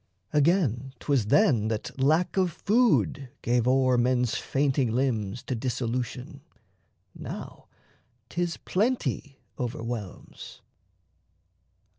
Again, 'twas then that lack of food gave o'er Men's fainting limbs to dissolution: now 'Tis plenty overwhelms.